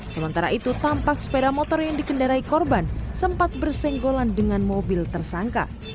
sementara itu tampak sepeda motor yang dikendarai korban sempat bersenggolan dengan mobil tersangka